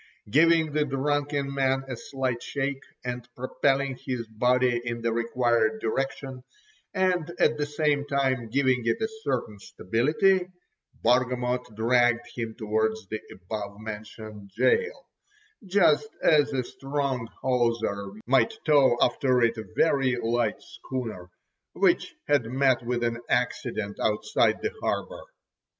Giving the drunken man a slight shake, and propelling his body in the required direction, and at the same time giving it a certain stability, Bargamot dragged him towards the above mentioned gaol, just as a strong hawser might tow after it a very light schooner, which had met with an accident outside the harbour.